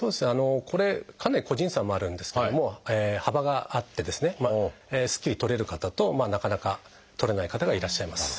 これかなり個人差もあるんですけども幅があってですねすっきり取れる方となかなか取れない方がいらっしゃいます。